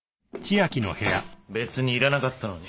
別にいらなかったのに。